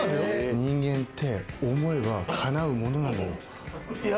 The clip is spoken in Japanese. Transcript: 人間って、思えばかなうものなのいや。